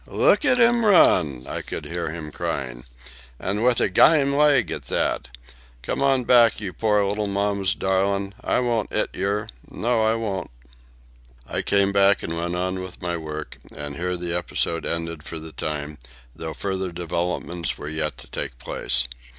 Look at 'im run!" I could hear him crying. "An' with a gyme leg at that! Come on back, you pore little mamma's darling. I won't 'it yer; no, I won't." I came back and went on with my work; and here the episode ended for the time, though further developments were yet to take place.